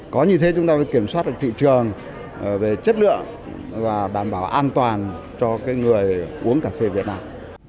có như thế chúng ta mới kiểm soát được thị trường về chất lượng và đảm bảo an toàn cho người uống cà phê việt nam